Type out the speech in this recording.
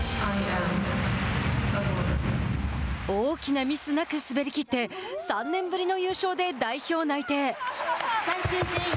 大きなミスなく滑りきって３年ぶりの優勝で代表内定。